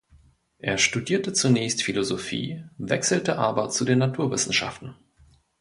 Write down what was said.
Er studierte zunächst Philosophie, wechselte aber zu den Naturwissenschaften.